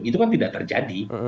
itu kan tidak terjadi